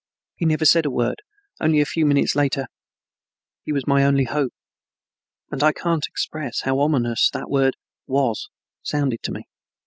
He never said a word, only, a few minutes later, "He was my only hope"; and I can't express how ominous that word "was" sounded to me.